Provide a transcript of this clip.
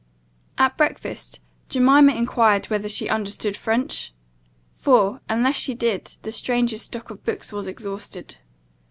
At breakfast, Jemima enquired whether she understood French? for, unless she did, the stranger's stock of books was exhausted.